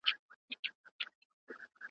تاسو د خپل هیواد د تاریخ اتلان یاست.